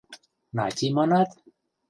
— Нати манат?..